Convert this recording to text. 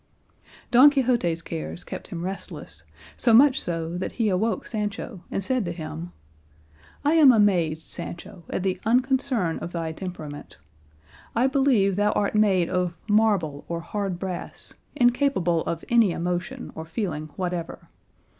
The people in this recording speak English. Don Quixote's cares kept him restless, so much so that he awoke Sancho and said to him, "I am amazed, Sancho, at the unconcern of thy temperament. I believe thou art made of marble or hard brass, incapable of any emotion or feeling whatever.